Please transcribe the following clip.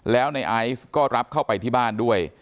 แล้วในไอซ์ก็รับเข้าไปที่บ้านด้วย